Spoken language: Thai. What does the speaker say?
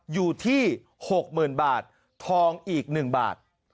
อยู่ที่๖๐๐๐บาททองอีก๑บาท